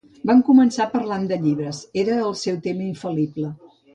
Van començar parlant de llibres: era el seu tema infal·lible.